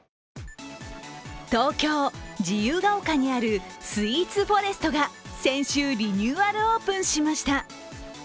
東京・自由が丘にあるスイーツフォレストが先週、リニューアルオープンしました。